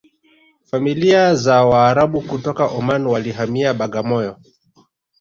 familia za waarabu kutoka Oman walihamia Bagamoyo